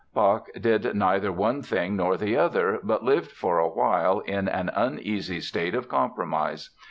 Bach did neither one thing nor the other but lived for a while in an uneasy state of compromise.